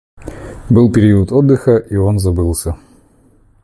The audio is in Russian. Был период отдыха, и он забылся.